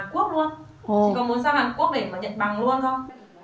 chị còn muốn sang hàn quốc để mà nhận bằng luôn thôi